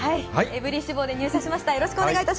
エブリィ志望で入社しました。